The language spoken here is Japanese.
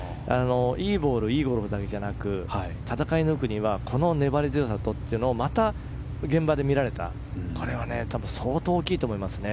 いいボールいいゴルフだけでなく戦い抜くにはこの粘り強さが現場で見られたこれは相当大きいと思いますね。